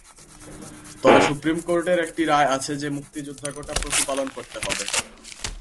তবে সুপ্রিম কোর্টের একটি রায় আছে যে মুক্তিযোদ্ধা কোটা প্রতিপালন করতে হবে।